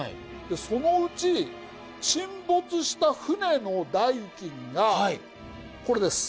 そのうち沈没した船の代金がこれです。